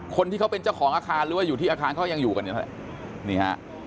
คนที่เขาเป็นเจ้าของอาคารหรือที่ที่อาคารเขาอย่างอยู่กันอย่างนี้